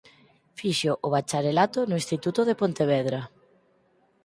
Fixo o Bacharelato no Instituto de Pontevedra.